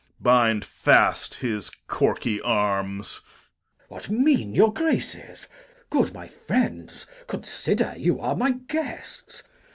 Corn. Bind fast his corky arms. Glou. What mean, your Graces? Good my friends, consider You are my guests.